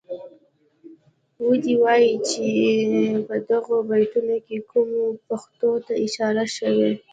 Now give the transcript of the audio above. ودې وايي چه په دغو بیتونو کې کومو پېښو ته اشاره شوې.